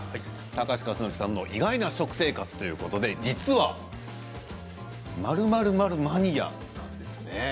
高橋克典さんの意外な食生活ということで実は「○○○マニア」なんですね。